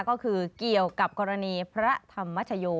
ก็คือเกี่ยวกับกรณีพระธรรมชโย